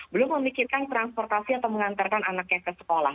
belum memikirkan transportasi atau mengantarkan anaknya ke sekolah